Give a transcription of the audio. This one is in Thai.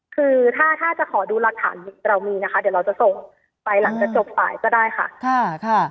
คือถ้าถ้าจะขอดูหลักฐานเรามีนะคะเดี๋ยวเราจะส่งไปหลังจากจบฝ่ายก็ได้ค่ะ